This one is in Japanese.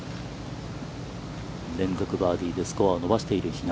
連続バーディーでスコアを伸ばしている比嘉。